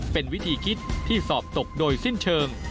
เป็นวิธีคิดที่สอบตกโดยสิ้นเชิง